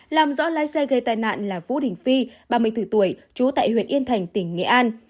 làm rõ lái xe gây tai nạn là vũ đình phi ba mươi bốn tuổi trú tại huyện yên thành tỉnh nghệ an